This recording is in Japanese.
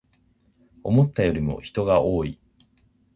思ったよりも人が多い